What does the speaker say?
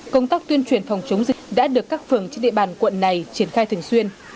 công tác tuyên truyền phòng chống dịch đã được các phường trên địa bàn quận này triển khai thường xuyên